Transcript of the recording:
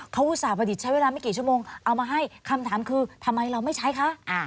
เขาอุตส่าห์ใช้เวลาไม่กี่ชั่วโมงเอามาให้คำถามคือทำไมเราไม่ใช้คะ